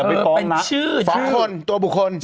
เป็นชื่อตัวบุคคล